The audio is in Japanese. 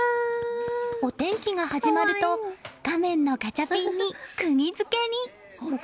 お天気が始まると画面のガチャピンにくぎづけに。